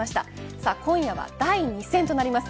さあ、今夜は第２戦となります。